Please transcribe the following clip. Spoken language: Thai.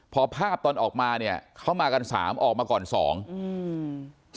พอภาพตอนออกมาเนี้ยเขามากันสามออกมาก่อนสองอืม